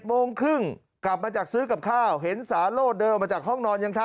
โมงครึ่งกลับมาจากซื้อกับข้าวเห็นสาโลดเดินออกมาจากห้องนอนยังทัก